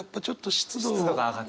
湿度が上がって。